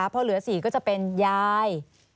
พอเหลือ๔ก็จะเป็นยาย